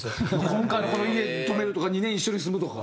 今回この家に泊めるとか２年一緒に住むとか。